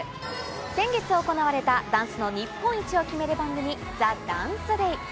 先月行われたダンスの日本一を決める番組『ＴＨＥＤＡＮＣＥＤＡＹ』。